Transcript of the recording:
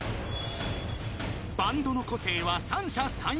［バンドの個性は三者三様。